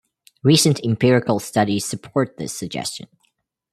Recent empirical studies support this suggestion.